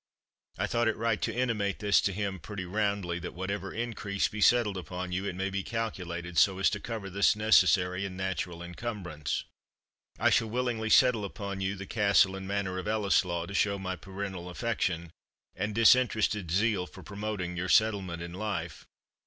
I thought it right to intimate this to him pretty roundly, that whatever increase be settled upon you, it may be calculated so as to cover this necessary and natural encumbrance. I shall willingly settle upon you the castle and manor of Ellieslaw, to show my parental affection and disinterested zeal for promoting your settlement in life.